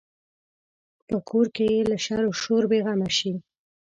په کور کې یې له شر و شوره بې غمه شي.